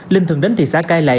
linh thường đến thị xã cai lệ